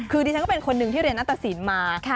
คือดิฉันก็เป็นคนหนึ่งที่เรียนนัตตสินมา